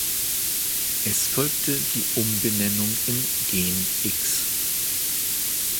Es folgte die Umbenennung in "Gen X".